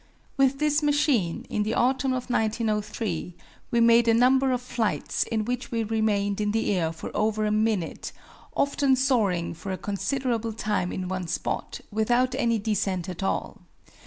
With this machine, in the autumn of 1903, we made a number of flights in which we remained in the air for over a minute, often soaring for a considerable time in one spot, without any descent at all.